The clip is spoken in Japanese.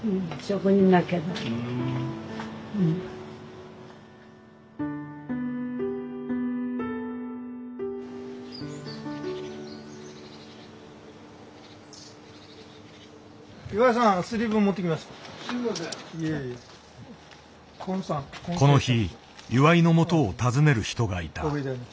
この日岩井のもとを訪ねる人がいた。